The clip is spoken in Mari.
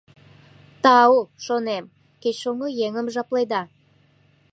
«Тау, — шонем, — кеч шоҥго еҥым жапледа.